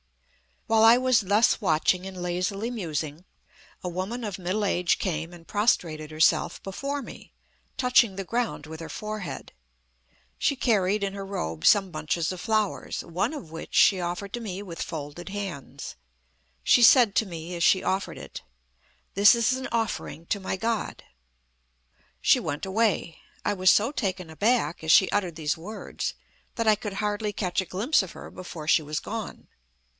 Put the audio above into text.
While I was thus watching and lazily musing, a woman of middle age came and prostrated herself before me, touching the ground with her forehead. She carried in her robe some bunches of flowers, one of which she offered to me with folded hands. She said to me, as she offered it: "This is an offering to my God." She went away. I was so taken aback as she uttered these words, that I could hardly catch a glimpse of her before she was gone.